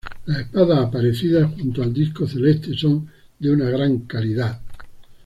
Las espadas aparecidas junto al disco celeste son de una gran calidad.